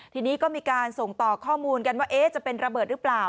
ทีนี้ก็มีการส่งต่อข้อมูลกันว่าจะเป็นระเบิดหรือเปล่า